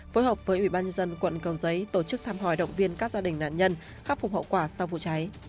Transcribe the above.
phối hợp với ubnd quận cầu giấy tổ chức thăm hỏi động viên các gia đình nạn nhân khắc phục hậu quả sau vụ cháy